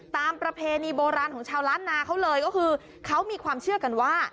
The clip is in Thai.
ประเพณีโบราณของชาวล้านนาเขาเลยก็คือเขามีความเชื่อกันว่า